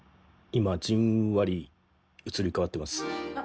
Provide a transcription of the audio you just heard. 今じんわり映り替わってます。